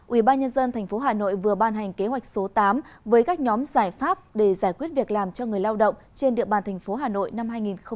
ubnd tp hà nội vừa ban hành kế hoạch số tám với các nhóm giải pháp để giải quyết việc làm cho người lao động trên địa bàn tp hà nội năm hai nghìn hai mươi